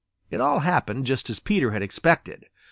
It all happened just as Peter had expected.